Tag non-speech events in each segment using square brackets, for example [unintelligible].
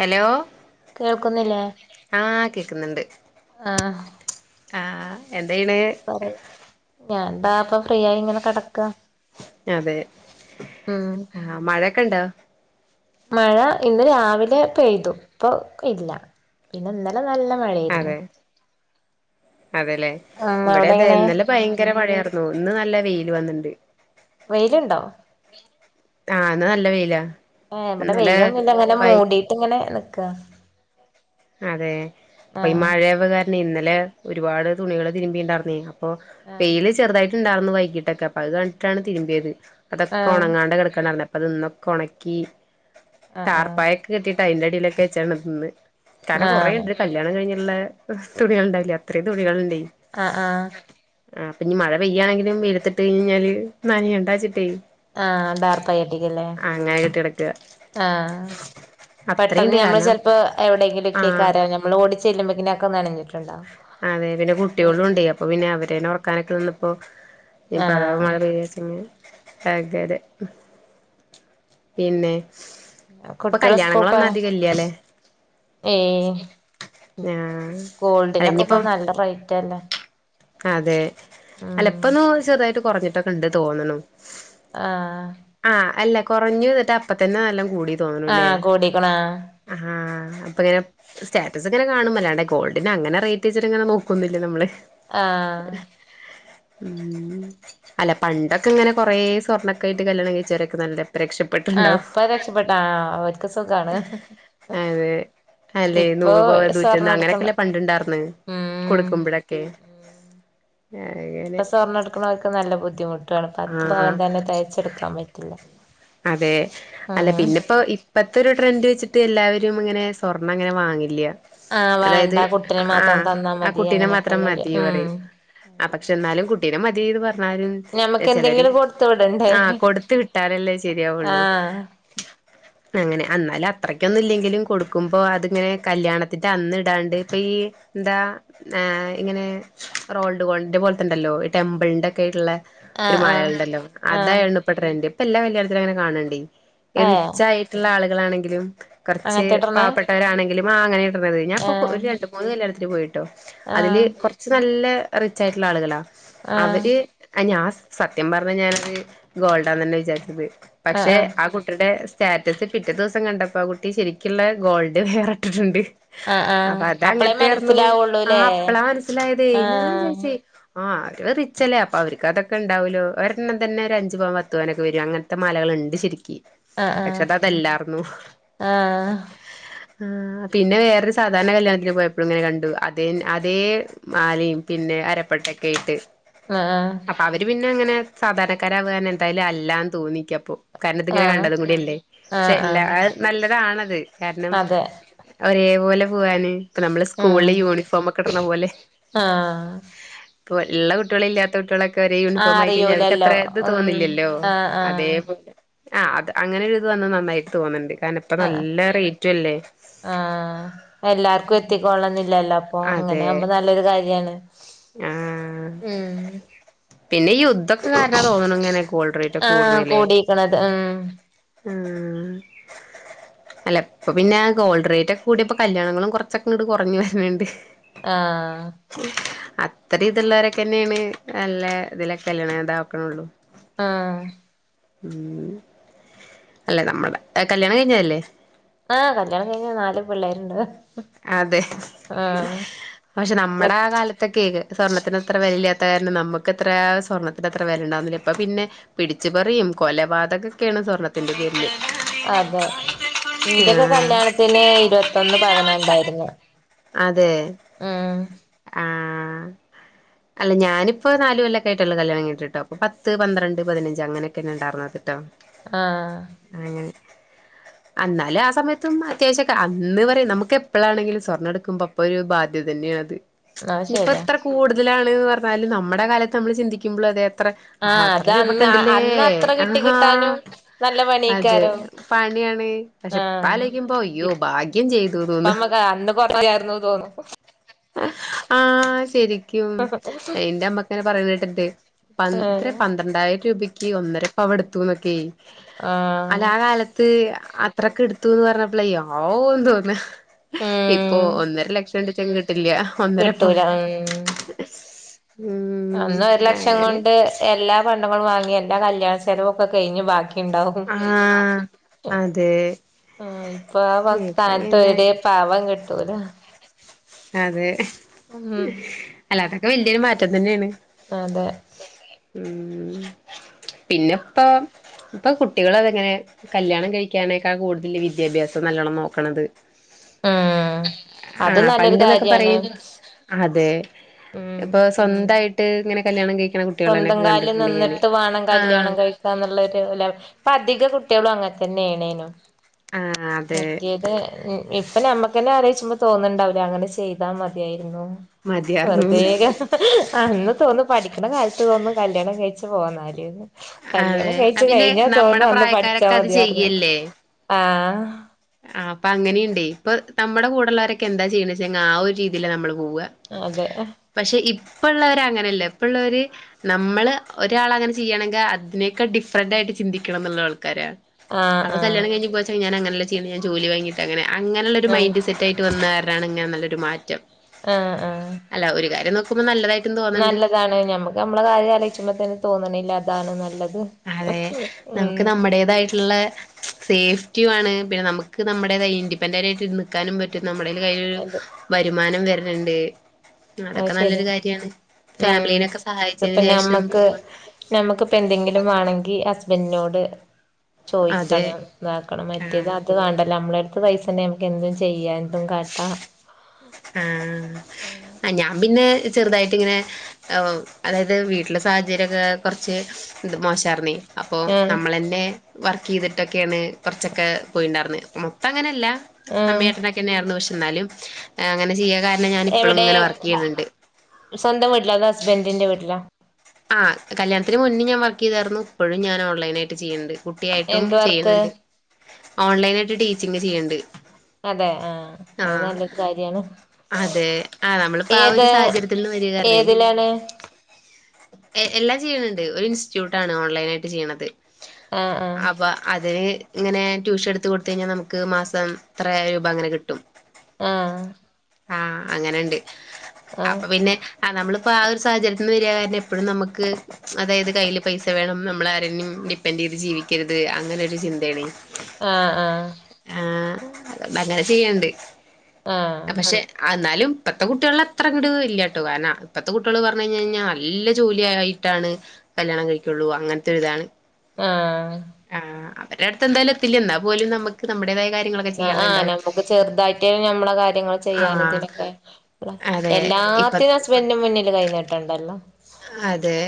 Hello കേൾക്കുന്നില്ലേ ആഹ് കേക്കുന്നുണ്ട് ആഹ് എന്തെയ്യ്ണ് പറ ഞാനെന്താ അപ്പൊ ഫ്രീ ആയി ഇങ്ങനെ കെടക്കാ അതെ ആ മഴക്കെ ഇണ്ടോ മഴ ഇന്ന് രാവിലെ പെയ്തു ഇപ്പൊ ഇല്ല പിന്നെ ഇന്നലെ നല്ല മഴേയിരുന്നു അതേല്ലേ ഇവിടെ അവിടെ അതേ എങ്ങനെ ഇന്നലെ ഭയങ്കര മഴയായിരുന്നു ഇന്ന് വെയില് വന്ന് ണ്ട് വെയിലുണ്ടോ ആഹ് ഇന്ന് നല്ല വെയിലാ ആ ഇവിടെ ഇന്നലെ വെയിലൊന്നും ഇല്ല ഇങ്ങനെ വൈ മൂടിട്ട് ഇങ്ങനെ നിക്ക അതെ അപ്പൊ ഈ ആഹ് മഴയാവ കാരണം ഇന്നലെ ഒരുപാട് തുണികള് തിരുമ്പിണ്ടാരുന്നേ അപ്പൊ ആഹ് വെയില് ചെറുതായിട്ട് ഇണ്ടായിർരുന്നു വൈകീട്ടൊക്കെ അപ്പൊ അത് കണ്ടിട്ടാണ് തിരുമ്പിയത് അതൊക്കെ ആഹ് ഉണങ്ങാണ്ട് കിടക്കാണ്ടായിരുന്നുേ അപ്പൊ അത് ഇന്നൊക്കെ ഉണക്കി ആഹ് താർപ്പായൊക്കെ കെട്ടിട്ട് അതിന്റെ അടിയിലൊക്കെ വെച്ചാണ്ന്ന് ഇന്ന് ആഹ് കാരണം ആഹ് കുറേയുണ്ട് കല്യാണം കഴഞ്ഞ ഉള്ള തുണികൾ ഉണ്ടാവില്ലേ അത്രയും തുണികൾ ഉണ്ട് ആ ആ ആ അപ്പ ഇനി മഴ പെയ്യണെങ്കില വിലലത്തിട്ട് കഴിഞ്ഴിഞ്ഞാല് നനയ ണ്ടച്ചിട്ടേ ആ ഡാർപ്പായിട്ടിക്കല്ലേ കെട്ടി കിടക്കുക ആ അത്രയുണ്ട് പെട്ടെന്ന് ഞമ്മള് കാരണം ചെലപ്പോ എ വിടെങ്കില ഒക്ക ആഹ് കാരോ നമ്മൾ ഓടിച്ചെല്ല്പോക്ക് അതോക്കേ നനഞ്ഞിട്ടുണ്ടാ വും അതെ പിന്നെ കുട്ടികളും ഉണ്ട് അപ്പൊ പിന്നെ അവരന്നെ ഉറക്കാനൊക്കെ നിന്നപ്പോ ഇഞ് പ്പോം അഥവാ ആഹ് പെയ്ത്ച്ചെങ്കിൽ അതെതെ [unintelligible] പിന്നെ ഇപ്പൊ കുട്ട്യള് കല്യാണങ്ങളൊന്നും ഉസ്കൂൾക്ക്പോയ അധികം ഇല്ല്യാല്ലേ ഏയ് ആഹ് അല്ല ഗോൾഡിനൊക്കെഇപ്പൊ ഇനിയിപ്പം ഒക്ക നല്ല റേറ്റ് അല്ലേ അതെ അല്ല ഉം ഇപ്പന്നു ചെറുതായിട്ട് കുറഞ്ഞിട്ടൊക്കെ ഉണ്ട് തോനുണ് ആ അല്ല കൊറഞ്ഞു എന്നിട്ട് അപ്പ തന്നെ നല്ല കൂടി തോന്നല്ലേ ആഹ് കൂടിക്കണ് ആ അപ്പ ഇങ്ങനെ സ്റ്റാറ്റസ് ഇങ്ങനെ കാണുമല്ലാേ ഗോൾഡിന് അങ്ങനെ റേറ്റ് വെച്ചിട്ട് ഇങ്ങനെ നോക്കുന്നില്ലേ നമ്മള് ആ ഉം അല്ല പണ്ടൊക്കെ ഇങ്ങനെ കൊറെ സ്വർണ്ണൊക്കെ ആയിട്ട് കല്യാണം കഴിച്ചവരൊക്കെ നല്ല ആഹ് ആഹ് രക്ഷപ്പെട്ടുണ്ടാവും ഇപ്പ രക്ഷപ്പെട്ട ആഹ് അവർക്ക് സുഖാണ് അതെ അല്ലെ ഇപ്പൊ നൂറു പവൻ സ്വർണ്ണ നൂറ്റൊന്ന് എടുക്കണ് അങ്ങനെയൊക്കെല്ലേ പണ്ട ഉണ്ടായിർന്ന് ഉം കൊടുക്കുമ്പോഴൊക്കെ ഉം ഇപ്പൊ സ്വർണ്ണ എടുക്കുന്നവർക്ക് നല്ല ബുദ്ധിമുട്ടുണ് ഇപ്പ അത്ത് ആഹ് പവൻ തന്നെ തെകച്ചെടുക്കാൻ പറ്റില്ല അതെ അല്ല ഉം പിന്നെ ഇപ്പോ ഇപ്പത്തെ ഒരു ട്രെൻഡ് വെച്ചിട്ട് എല്ലാവരും ഒ ഇങ്ങനെ സ്വർണം അങ്ങനെ വാങ്ങില്ല ആഹ് വേണ്ട അതായത് കുട്ടിന് ആ മാത്രം തന്നാ ആ മതി കുട്ടിനെ മാത്രം അങ്ങനെയൊക്കെള്ളൊരു മതി ഉം പറയും ആ പക്ഷെ എന്നാലും കുട്ടീനെ മതി പറഞ്ഞാലും ഞമ്മക്ക് ചിലര് എന്തെങ്കിലും കൊടുത്ത് വിടണ്ടേ ആ കൊടുത്ത വിട്ടാലല്ലേ ശരിയാവുള്ളൂ ആഹ് അങ്ങനെ എന്നാലും അത്രക്കൊന്നും ഇല്ലെങ്കിലും കൊടുക്കുമ്പോ അതിങ്ങനെ കല്യാണത്തിന്റെ അന്ന് ഇടാണ്ട് ഇപ്പൊ ഈ എന്താ ആ് ഇങ്ങനെ റോൾഡ്‌ ഗോൾഡിന്റെ പോലത്തണ്ടല്ലോ ടെമ്പിളിന്റെറ ഒക്ക ആയിട്ടുള്ള ഒരു ആഹ് ആഹ് മാലകളുടെല്ലോ ആഹ് അതായാണ് ഇപ്പൊ ട്രെന്റ് ഇപ്പൊ എല്ലാ കല്യാണത്തിലും അങ്ങനെ കാണേണ്ടി ഈ ഏഹ് റിച്ചായിട്ടുള്ള ആളുകളാണെങ്കിലും കുറച്ച് അങ്ങനത്തെട്ടർന്ന പാവപ്പെട്ടവരാണെങ്കിലും ആ അങ്ങനെ ഞൻ ഇപ്പോ ഒരു ആഹ് രണ്ടു മൂന്ന് കല്യാണത്തിൽ പോയിട്ടോ അതില് ആഹ് കുറച്ച് നല്ല റിച്ച് ആയിട്ടുള്ള ആളുകളാ ആഹ് അവര് ഞാൻ സ് സത്യം പറഞ്ഞ ഞാനത് ഗോൾഡാന്ന്ന്നെ വിചാരിച്ചത് ആഹ് പക്ഷെ ആഹ് ആ കുട്ടിയുടെ സ്റ്റാറ്റസ് പിറ്റേ ദിവസം കണ്ടപ്പോ ആ കുട്ടി ശരിക്കുള്ള ഗോൾഡ് വെയർ ഇട്ടിട്ടുണ്ട് ആഹ് ആഹ് അപ്പൊ അത അപ്പളേ അങ്ങനത്തായിർന്നു ആ മനസ്സിലാവുള്ളൂല്ലേ അപ്പളാ മനസ്സിലായതേ ഞാൻ ആഹ് വിചാരിച്ചേ ആഹ് അവര് റിച്ചല്ലേ അപ്പൊ അവർക്ക് അതൊക്കെണ്ടാവല്ലോ ഒരെണ്ണം തന്നെ ഒരു അഞ്ച്പവൻ പത്ത് പവനൊക്കെ വരും അങ്ങനെ മാലകളുണ്ട് ശരിക്ക ആഹ് പക്ഷെ അത് അതല്ലാർന്നു ആഹ് ആ പിന്നെ വേറൊരു സാധാരണ കല്യാണത്തിന് പോയപ്പോഴും ഇങ്ങനെ കണ്ടു അതേ അതേ മാലയും പിന്നെ അരപ്പട്ടൊക്കെ ആയിട്ട് ആഹ് ആഹ് അപ്പൊ അവര് പിന്നെ അങ്ങനെ സാധാരണക്കാരൻ എന്തായാലും അല്ലാന്ന് തോന്നിക്ക അപ്പൊ കാരണംത് ഇങ്ങനെ ആഹ് കണ്ടതും കൂടില്ലേ പക്ഷെ ആഹ് എല്ലാ ആഹ് നല്ലതാണത് കാരണം അതെ ഒരേ പോലെ പോവാന് ഇപ്പ നമ്മള് ഉം സ്കൂളിലെ യൂണിഫോമ ഒക്കെ ഇടണ പോലെ ആഹ് ഇപ്പൊ ഉള്ള കുട്ടികളും ഇല്ലാത്ത കുട്ടികളൊക്കെ ഒരേ ആഹ് യൂണിഫോം ആയി കഴിഞ്ഞാൽ അറിയൂലല്ലോ അവർക്ക്ത്ര ഇത് ഉം തോന്നുന്നില്ലല്ലോ ആഹ് അതേ ആഹ് ആ അത് അങ്ങനെ ഇത് വന്ന നന്നായിട്ട് തോന്നുന്നുണ്ട് കാരണം ഇപ്പ നല്ല റേറ്റ്ല്ല ആ എല്ലാർക്കും എത്തിക്കോള്ളന്നില്ലല്ലോ അപ്പൊ ഇ ങ്ങനെ അതെ ആവുമ്പോ നല്ലൊരു കാര്യമാണ് ആഹ് ഉം പിന്നെ ഈ യുദ്ധൊക്കെ കാരണാ തോന്ണ് ങ്ങനെ ഗോൾഡ് റേറ്റ് ആഹ് കൂട്ണേലേ കൂടിക്കണത് ഉം മ് അല്ല ഇപ്പ പിന്നെ ഗോൾ് റേറ്റ് ഒക്കെ കൂട്യേപ്പോ കല്യാണങ്ങളും കൊറച്ചൊക്കെ ങ്ങട് കൊർഞ്ഞു വരണണ്ട് ആഹ് അത്രീം ത്ള്ളോരൊക്കെന്നേണ് നല്ലേ തിലൊക്കെ കല്യണം ണ്ടാക്ക്ണൊള്ളൂ ആഹ് മ് അല്ലെ നമ്മടെ കല്യാണം കഴിഞ്ഞതല്ലേ ആഹ് കല്യാണം കഴിഞ്ഞ നാല് പിള്ളേരുണ്ട് അതെ. ആഹ് പക്ഷെ നമ്മടെ ആ കാലത്തൊക്കേക്ക് സ്വർണത്തിന് ത്ര വെലല്ലാത്ത കാരണം നമ്മക്കെത്ര സ്വർണത്തിന് അത്ര വെലണ്ടാർനില ഇപ്പ പിന്നെ പിടിച്ച് പറീം കൊലപാതക തൊക്കെണ് സ്വർണത്തിൻ്റെ പേര്ല് അതെ ഇന്റെക്കെ ആഹ് കല്യാണത്തിന് ഇര് വത്തൊന്ന് പവനാണ്ടായിര്ന്നേ. അതേ ആഹ് അല്ല ഞാനിപ്പോ നാല് കൊല്ലൊക്കായിട്ട്ള്ളു കല്യാണം കഴിഞ്ഞിട്ട്ട്ടോ അപ്പോ പത്ത്, പന്ത്രണ്ട്, പതിനഞ്ച് അങ്ങനെക്കേണ് ണ്ടാർന്നത്ട്ടോ. ആഹ് [inaudible] അന്നാല് ആ സമയത്തും അത്യാവിശ്യക്കെ അന്ന് പറി നമ്മക്കെപ്പളാണെങ്കിലും സ്വർണ്ണട്ക്കുമ്പോ അപ്പൊര് ബാധ്യതന്നേയാണ്. അത് ശരിയാ ഇഞ്ഞിപ്പെത്ര കൂട്തലാണ്ന്ന് പറഞ്ഞാലും നമ്മടെ കാലത്ത് നമ്മള് ചിന്തിക്കുമ്പളും അതെ ത്ര, ആഹ് അത്ര അത് അന്ന് രൂപക്കെണ്ട്ലേ അന്ന് അത്ര ആഹ് കിട്ടി ഹാ കിട്ടാനും നല്ല അതെ പണിയേക്കാരം പണി ക്കേണ്, പക്ഷെ ആഹ് ഇപ്പാലോയ്ക്കുമ്പോ, അയ്യോ ഇപ്പ ഭാഗ്യം ചെയ്തു തോന്നാ നമ്മക്ക് അന്ന് കൊറയായിരുന്നു തോന്നും അ, ആഹ് ശ ശെരിക്കും എന്റെ അമ്മക്കങ്ങനെ പറയ്ണത്കെട്ടിട്ട്ണ്ട് പന്ത് എത്രെ ഏഹ് പന്ത്രണ്ടായിരം രൂപ ക്ക്, ‌ ഒന്നര പവൻ എട്ത്തുന്നൊക്കെ. അല്ല ആഹ് ആ കാലത്ത് അത്രക്കെട്ത്തൂന്ന് പറഞ്ഞപ്പളെ ഔവ് തോന്നാ, ഇപ്പൊ ഉം ഒന്നരലക്ഷണ്ട് ക്ഷംകിട്ടില്ല, ഒന്നരപവൻ ഹ്മ്മ് അന്ന് ഒര്ലക്ഷം അങ്ങനെ കൊണ്ട് എല്ലാ പണ്ടങ്ങളും വാങ്ങി, എല്ലാ കല്യാണ ചെലവൊക്കെ കഴിഞ്ഞ് ബാക്കി ആഹ്, അതേ ആഹ് ഇപ്പൊ ആ വ സ്ഥാനത്തൊര് പാവം കിട്ടൂല അതെ. ഉം അല്ലതക്കെ വല്ല്യൊര് മാറ്റത്തിന്റെണ്. അതെ ഹ്മ്മ്, പിന്നെപ്പോ ഇപ്പൊ കുട്ടികളൊക്കെങ്ങനെ കല്യാണം കഴിക്കാണേക്കാൾ കൂടുതല് വിദ്യാഭ്യാസം നല്ലോണം നോക്ക്‌ണത്. ആഹ് അതും നല്ലെര് തൊക്കെ പറയും അതെ ഉം ഇപ്പോ സ്വന്തായിട്ട് ഇങ്ങനെ കല്ല്യാണം കഴി സ്വന്തം കാലില് നിന്ന്ട്ട് വാണം ആഹ് കല്യാണം കഴിക്കാന്ന്ള്ളൊര് ലെവൽ പ്പ അധിക കുട്ട്യാളും അങ്ങതന്നേണേനും. ആഹ് അതെ മറ്റേത്, ഇപ്പ ഞമ്മക്കന്നെ ആലോയ്ച്ചുമ്പോ തോന്ന്ണ്ടാവൂലേ അങ്ങനെ ചെയ്താ മതിയാ ർന്നു, വെറ്തേ മതിയാർന്നുന്ന് അന്ന് തോന്നും പഠിക്ക്ണ കാലത്ത് തോന്നും കല്യാണം കഴിച്ച് പോവാന്നാല്ന് കല്യാണം അതെ കഴിച്ച് ആഹ് പിന്നെ കഴിഞ്ഞാ നമ്മടെ തോന്നും അന്ന് പഠിച്ചാ പ്രായക്കാരൊക്കെ അത് മതിയാർന്നുന്ന്. ചെയ്യല്ലേ ആഹ് ആഹ്, പ്പങ്ങനീണ്ടെയ്. ഇപ്പൊ നമ്മടെ കൂടള്ളോരൊക്കെ എന്താ ചെയ്യ്ണേച്ചാ ആ ഒര് രീതീലാ നമ്മള് പോവ, അതെ പക്ഷേ ഇ ഇപ്പള്ളോരങ്ങനല്ല, ഇപ്പള്ളോര് നമ്മള് ഒരാളങ്ങനെ ചെയാണെങ്ക് അതിനേക്കാൾ ഡിഫറന്റായിട്ട് ചിന്തിക്കണംന്നുള്ള ആൾക്കാരാ. ആഹ് അവള് ആഹ് കല്യാണം കഴിഞ്ഞ് പോയാച്ച ഞാനങ്ങനല്ല ചെയ്യല് ഞാൻ ജോലി വാങ്ങീട്ടങ്ങനെ അങ്ങനെള്ളൊര് ആഹ് മൈൻഡ് സെറ്റായ്ട്ട് വന്ന കാരണാണ് ഇങ്ങനെ നല്ലൊരു മാറ്റം ആഹ്, ആഹ് പ്പം നല്ലതായി നല്ലതാണ്. ഞമ്മക്ക് ഞമ്മളെ കാര്യലോയിച്ചുമ്പോ തന്നെ തോന്ന്ണില്ലേ അതാണ് നല്ലത് ഉം ഞമ്മക്ക് നമ്മടേതായിട്ട്ള്ളേ സേഫ്റ്റിയു ആണ്, പിന്നെ നമ്മക്ക് നമ്മടേ ഇൻഡിപെൻഡന്റായ്ട്ട് നിക്കാനും പറ്റും നമ്മുടെ കയ്യിൽ അതെ വരുമാനം വര്ണണ്ട്, അത് അതൊക്കെ നല്ലൊരു ശരിയാ കാര്യാണ് ഉം, ഫാമിലീനൊക്കെ സഹായിച്ചതിന് ഇതിപ്പ ശേഷം നമ്മക്ക് പോവാ നമ്മക്കിപ്പോ എന്തെങ്കിലും വാണെങ്കി ഹസ് ബൻഡ്ന്റിനോട് അതെ ചോദിക്കണം, ഇതാക്കണം, മറ്റേത് ആഹ് അത് വേണ്ടല്ല നമ്മളെ പത്ത് പൈസണ്ടേ നമുക്ക് എന്തും ചെയ്യാം എന്തും കാട്ടാ ആഹ്, ആ ഞാ ൻ പിന്നെ ചെറുതായിട്ട് ഇങ്ങനെ, ആഹ് അതായിത് വീട്ടിലെ സാഹചര്യക്കെ കുറച്ച്‌ മോ ശാർന്നെ അപ്പോ ആഹ് നമ്മളന്നെ വർക്കിയി തിട്ടൊക്കെണ് കുറച്ചൊക്കെ പോയിണ്ടായിർന്നേ. മൊത്തങ്ങനല്ല അമ്മീം ആഹ് അച്ഛനൊക്കെന്നായിരുന്നു, പക്ഷെ എന്നാലും അങ്ങനെ ചെയ്യാ കാ എവിടെ, സ്വന്തം വീട്ടിലോ അതോ ഹസ്ബന്റിന്റെ വീട്ടിലോ? ആഹ് കല്യാണത്തിനു മുന്നും ഞാൻ വർക്കെയ്തായിരുന്നു, ഇപ്പഴും ഞാൻ ഓൺലൈൻ ആയിയിട്ട് ചെയ്യ്ണ്ട് കുട്ടിയായിട്ടും എന്ത് വർക്ക് ചെയ്യുന്നുണ്ട്. ഓൺലൈൻ ആയിട്ട് ടീച്ചിങ് ചെയ്യ്ണ്ട്. അതെ ആഹ്, അത് നല്ലൊരു കാര്യാണ്. അതെ ആഹ് നമ്മളിപ്പോ ആഹ് ഒരു ഏത് സാഹചര്യത്തിൽ നിന്ന് വരികാരണേ- ഏതിലാണ് എ എല്ലാം ചെയ്യണണ്ട് ഒരു ഇൻസ്റ്റിറ്റ്യൂട്ടാണ് ഓൺലൈൻ ആയിട്ട് ചെയ്യണത്- ആഹ് അപ്പ അത് - ഇങ്ങനെ ട്യൂഷൻ എടുത്ത് കൊടുത്ത് കഴിഞ്ഞാൽ നമുക്ക് മാസം ഇത്ര രൂപ അങ്ങനെ കിട്ടും- ആഹ്- ആഹ് അങ്ങനെണ്ട് ആഹ് അപ്പൊ പിന്നെ- ആഹ് നമ്മളിപ്പോ ആ ഒരു സാഹചര്യത്തിൽ നിന്ന് വരികആയോണ്ട് എപ്പോഴും നമുക്ക് അതായത് കയ്യില് പൈസ വേണം നമ്മളാ ആരിന്നേം- ഡിപ്പെൻഡന്റ് ചെയ്ത് ജീവിക്കരുത് അങ്ങനെ ഒരു ചിന്തയാണ്- ആഹ് ആഹ് - ആഹ് അങ്ങനെ ചെയ്യണ്ട്- ആഹ് പക്ഷെ അന്നാലും- ഇപ്പഴത്തെ കുട്ടികള അത്രങ്ങിട് ഇല്ലാട്ടോ കാരാണ ഇപ്പത്തെ കുട്ടികൾ പറഞ്ഞ് കഴിഞ്ഞ് കഴിഞ്ഞാൽ നല്ല ജോലി ആയിട്ടാണ്- കല്യാണം കഴിക്കയൊള്ളൂ അങ്ങനത്തെരിതാണ് ആഹ്- അവർടെ അടുത്ത് എന്തായാലും എത്തില്ല എന്നാ പോലും നമുക്ക് നമ്മുടെതാ - ആഹ് നമുക്ക് ചെറുതായിട്ടേ നമ്മള കാര്യങ്ങൾ- ആഹ് ചെയ്യാനതിനൊക്കെ അതെ ഇപ്പ എല്ലാത്തിനും ഹസ്ബന്റിന്റെ മുന്നിൽ കൈനിട്ടണ്ടല്ലോ? അതെ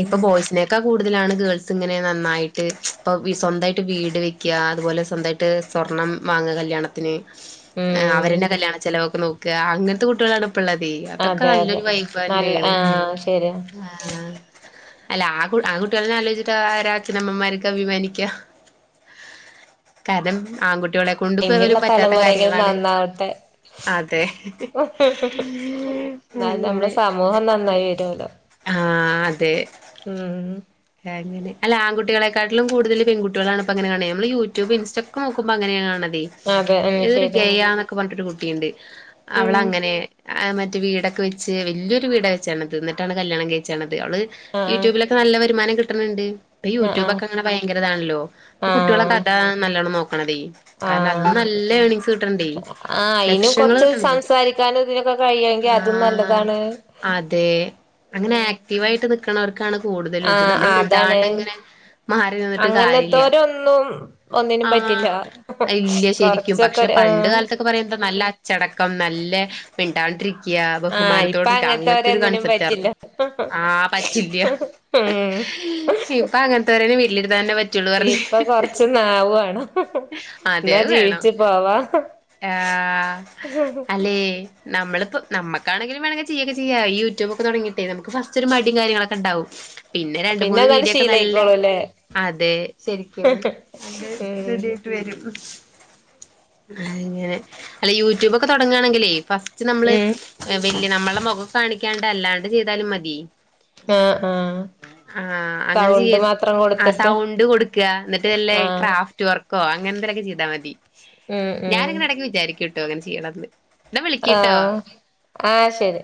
ഇപ്പൊ ബോയ്സിനെക്കെ കൂ- ടുതലാണ് ഗേൾസ് ഇങ്ങനെ നന്നായിട്ട് ഇപ്പ സ്വന്തമായിട്ട് വീട് വെക്കുക അതുപോലെ സ്വന്തമായിട്ട് സ്വർണ - ണം വാങ്ങുക കല്യാണത്തിന് ഉം അവരെന്നെ കല്യാണചെലവ് ഒക്കെ നോക്കാ അങ്ങനെത്തെ കുട്ടികളാണ് ഇപ്പോ- പ്പള്ളതെ അതൊക്കെ അതെ അതെ നല്ലൊരു വൈബ് നല്ല തന്നെയാണ് ആഹ് ശരിയാ ആഹ് - അല്ല ആ കുട്ട ആ കുട്ടികളെ ആലോചിച്ചിട്ട് ആരാ അച്ഛനമ്മമാർക്കെ അഭിമാനിക്കാം- കാരണം ആൺകുട്ടികളെ കൊണ്ടും പോലും ഇനിയുള്ള പറ്റാത്ത തലമുറയെങ്കിലും കാര്യങ്ങളാണ്- നന്നാവട്ടെ അതെ എന്നാ നമ്മളെ അങ്ങനെ- സമൂഹം നന്നായി വരുവല്ലോ ആഹ് അതെ- ഉം അങ്ങനെ അല്ല ആൺുട്ടികളക്കാട്ടിലും കുടുതൽ പെൺുട്ടികളാണ് ഇപ്പോ അങ്ങെ കൺണെ നമ്മ യൂട്യൂബും ഇൻസ്റ്റക്കാ നോക്ക്പോ അങ്ങനെയ കാണുന്നത് അതെ ഉം ഏതൊരു ശരിയാണ് ഗയന്നൊക്കെ പറഞ്ഞിട്ടരു കുട്ടിയുണ്ട് അവള അങ്ങനെ- മറ്റേ വീടൊക്കെ വെച്ച് വല്യൊരു വീടാ വെച്ചാണത് എന്നിട്ടാണ് കല്യാണം കഴിച്ചാണ്ത്- അവള് ആഹ് യൂട്യൂബിലൊക്കെ നല്ല വരുമാനം കിട്ടണിണ്ട്- ഇപ്പൊ ആഹ് ആഹ് യൂട്യൂബൊക്കെ അങ്ങനെ ഭയങ്കരതാണല്ലോ ഇപ്പൊ കുട്ടികളൊക്കെ ആഹ് അതാ നല്ലോണം നോക്കണതെ കാരണം അത് ആഹ് ആഹ് നല്ല- ല്ലാ ഏണിങ്സ് കിട്ടണ് ണ്ടേ- അയിന് ലക്ഷങ്ങള് കൊറച്ച് കിട്ടെണ്ടെ സംസാരിക്കാനും ഇതിനൊക്കെ കഴിയുമെങ്കിൽ അതും ആഹ് നല്ലതാണ് അതെ- അങ്ങനെ ഉം ആക്റ്റീവ് ആയിട്ട് നിക്കണവർക്കാണ് കൂടുതലും ഇത് ആഹ് നമ്മള് അതാണ് മിണ്ടാണ്ട് ഇങ്ങനെ- മാറി നിന്നിട്ട് കാര്യാല്ല അങ്ങനത്തോരൊന്നും ഒന്നിനും പറ്റില്ല ആഹ് ഇല്ലൃ ശരിക്കും കൊറച്ചൊക്കെ പക്ഷെ- ഒരു പണ്ട് ആഹ് കാലത്തൊക്കെ പറയുന്തം നല്ല അച്ചടക്കം നല്ലെ മിണ്ടാണ്ടിരി- ക്ക്യാ ആഹ് ഇപ്പ ബഹുമാനത്തോടിക്കാ അങ്ങനത്തൊരു അങ്ങനത്തോരൊന്നിനും കൺസെപ്റ്റാ ആർന്നു പറ്റില്ല ആഹ് പറ്റില്ല്യ ഏഹ് ഇപ്പൊ അങ്ങനത്തോരെനെ വീട്ടിലിടുത്താന്നെന്ന പറ്റുള്ളു പറണി ഇപ്പൊ ലേയ് കൊറച്ച് നാവുവാണം അതെയ് എന്നാ അത് വേണം ജീവിച്ചു പോവാ ആഹ അല്ലെ നമ്മളിപ്പോ നമക്കാണെങ്കിലും വേണെങ്കി ചെയ്യൊക്ക ചെയ്യഈ യൂട്യൂബ് ഒക്കെ തുടങ്ങിട്ടേ നമുക്ക് ഫസ്റ്റൊരു മടിം കാര്യങ്ങളൊക്കെണ്ടാവും പിന്നെ രണ്ട് മൂന്ന് എന്നാല് വീഡിയൊക്കെ നല്ല ശീലായിക്കോളൂല്ലേ അതെ ശരിക്കുംഅന്റത് ഉം റെഡിയായിട്ട് വരും അങ്ങനെ അല്ല യൂട്യൂബൊക്കെ തൊടങ്ങാണെങ്കിലേയ് നമ്മള് ഉം വലിയ നമ്മള്ടെ മുഖം കാണിക്കാണ്ട് അല്ലാണ്ട് ചെയ്താലും മതിയ ആ ആഹ ആഹ അങ്ങനെ ചെയ്യ ആ കൊടുത്തിട്ട് സൗണ്ട് കൊട്ക്ക എന്നിട്ട്ല്ലെ ആഹ് ക്രാഫ്റ്റ് വർ ക്കൊ അങ്ങനെന്തെങ്കിലൊക്കെ ചീതാ മതി ഉം ഉം ഞാനിങ്ങനെ ഇടയ്ക്ക് വിചാരിക്കൂ ട്ടോ ഇങ്ങനെ ചെയ്യണന്ന് ആഹ് ആഹ് ശരി